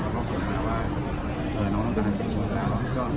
ถึงมาว่าน้องน้องน้องตาลเสียชีวิตแล้ว